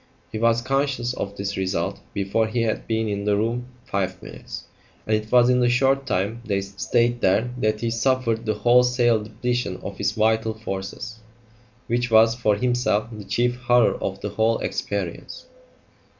He was conscious of this result before he had been in the room five minutes, and it was in the short time they stayed there that he suffered the wholesale depletion of his vital forces, which was, for himself, the chief horror of the whole experience.